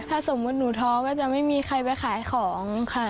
ถ้าสมมุติหนูท้อก็จะไม่มีใครไปขายของค่ะ